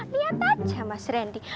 niat aja mas rendy